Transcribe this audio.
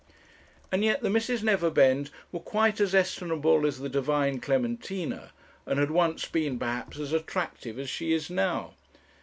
And yet the Misses Neverbend were quite as estimable as the divine Clementina, and had once been, perhaps, as attractive as she is now.